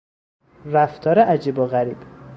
رفتار عجیب و غریب